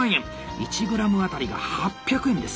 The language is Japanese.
１グラム当たりが８００円です。